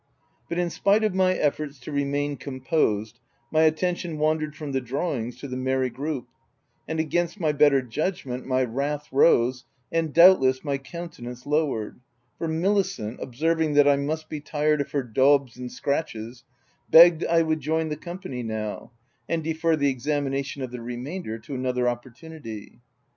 But in spite of my efforts to remain composed my attention wandered from the drawings to the merry group, and against my better judg ment my wrath rose, and doubtless, my counte nance lowered ; for Milicent, observing that I must be tired of her daubs and scratches, beg ged I would join the company now, and defer the examination of the remainder to another opportunity.